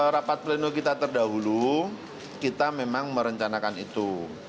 rapat pleno kita terdahulu kita memang merencanakan itu